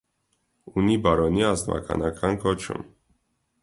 Ունի բարոնի ազնվականական կոչում։